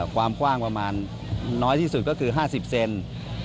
ความกว้างประมาณน้อยที่สุดก็คือ๕๐เซน